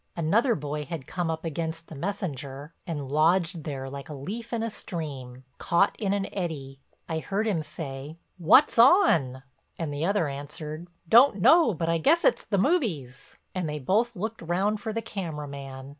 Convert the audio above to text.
Another boy had come up against the messenger and lodged there like a leaf in a stream, caught in an eddy. I heard him say, "What's on?" and the other answered: "Don't know but I guess it's the movies." And they both looked round for the camera man.